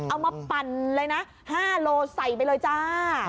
เอามาปั่นเลยนะ๕โลกรัมใส่ไปเลยจ้า